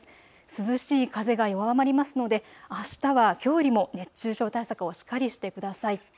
涼しい風が弱まりますのであしたはきょうよりも熱中症対策をしっかりしてください。